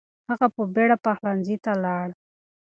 هغه په بیړه پخلنځي ته لاړ.